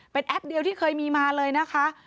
เป็นแอปเดียวที่เคยมีมาเลยนะคะ